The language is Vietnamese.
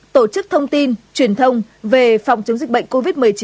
tổ chức thông tin truyền thông về phòng chống dịch bệnh covid một mươi chín